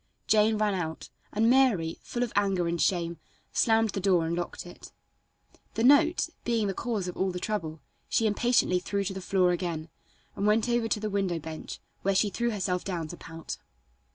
Jane ran out, and Mary, full of anger and shame, slammed the door and locked it. The note, being the cause of all the trouble, she impatiently threw to the floor again, and went over to the window bench, where she threw herself down to pout.